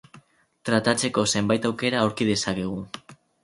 Tratatzeko zenbait aukera aurki dezakegu.